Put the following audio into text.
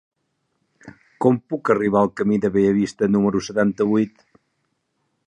Com puc arribar al camí de Bellavista número setanta-vuit?